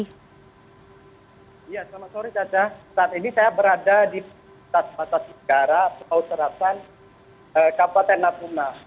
ya selamat sore caca saat ini saya berada di lintas batas negara pulau serasa kapolat ternakuna